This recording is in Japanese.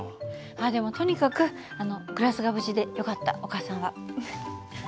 でもとにかくグラスが無事でよかったお母さんは。